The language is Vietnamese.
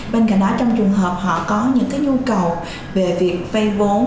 bên cạnh đó trong trường hợp họ có những nhu cầu về việc vay vốn